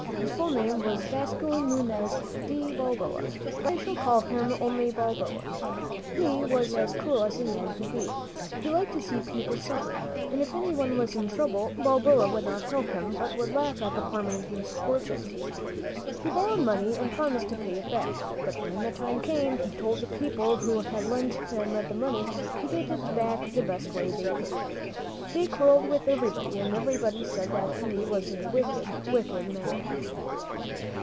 His full name was Vasco Nunez de Balboa, but I think I shall call him only Balboa. He was as cruel as a man could be. He liked to see people suffer, and if anyone was in trouble, Balboa would not help him, but would laugh at the poor man's misfortune. He borrowed money and promised to pay it back; but when the time came, he told the people who had lent him the money to get it back the best way they could. He quarreled with everybody, and everybody said that he was a wicked, wicked man.